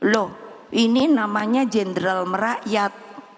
loh ini namanya jenderal merakyat